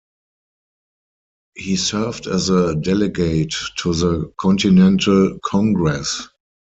He served as a delegate to the Continental Congress.